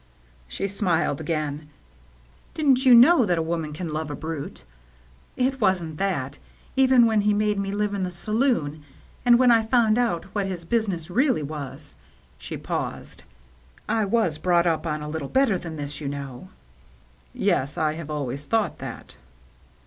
She smiled again. " Didn't j^ou know that a woman can love a brute? It wasn't that. Even when he made me live in the saloon, and when I found out what his business really was —" she paused. " I was brought up a little better than this, you know." " Yes, I have always thought that."